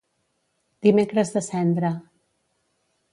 Dimecres de Cendra.